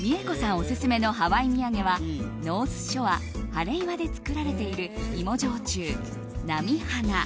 オススメのハワイ土産はノースショア、ハレイワで造られている、芋焼酎波花。